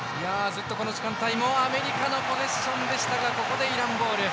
ずっと、この時間帯もアメリカのポゼッションでしたがここでイラン、ボール。